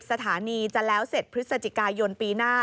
สถานีจะแล้วเสร็จพฤศจิกายนปีหน้า